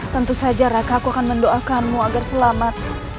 tentu saja raka aku akan mendoakanmu agar selamat